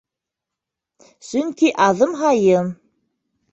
Сөнки аҙым һайын: